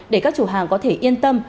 để các chủ hàng có thể yên tâm